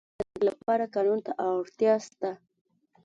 د ټولني د پرمختګ لپاره قانون ته اړتیا سته.